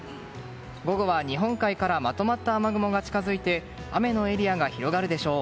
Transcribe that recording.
午後は日本海からまとまった雨雲が近づいて雨のエリアが広がるでしょう。